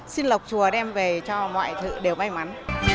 xin lọc chùa đem về cho mọi thứ đều may mắn